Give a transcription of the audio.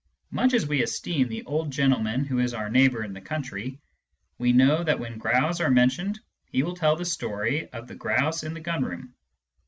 Much as we esteem the old gentleman who is our neighbour in the country, we know that when grouse are mentioned he will tell the story of the grouse in the gun room.